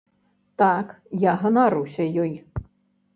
Так, я ганаруся ёй.